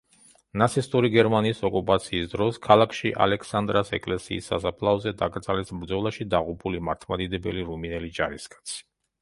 ნაცისტური გერმანიის ოკუპაციის დროს ქალაქში ალექსანდრას ეკლესიის სასაფლაოზე დაკრძალეს ბრძოლაში დაღუპული მართლმადიდებელი რუმინელი ჯარისკაცი.